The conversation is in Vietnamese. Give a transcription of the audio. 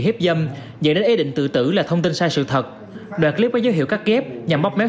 hiếp dâm dẫn đến ý định tự tử là thông tin sai sự thật đoạn clip có dấu hiệu cắt kép nhằm bóp mép